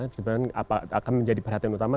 sebenarnya akan menjadi perhatian utama